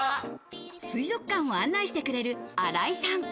水族館を案内してくれる、新井さん。